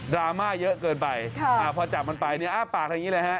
ดราม่าเยอะเกินไปพอจับมันไปปากแบบนี้เลยฮะ